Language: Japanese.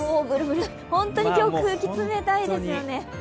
ホントに今日、空気、冷たいですよね。